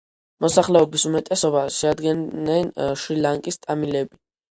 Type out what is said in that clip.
მოსახლეობის უმეტესობას შეადგენენ შრი-ლანკის ტამილები.